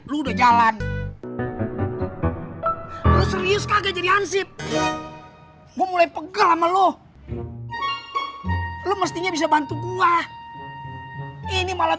lu udah jalan serius kagak jadi ansip gue mulai pegal ama lo lu mestinya bisa bantu gua ini malah